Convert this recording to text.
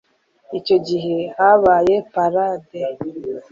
Icyo gihe habaye parade.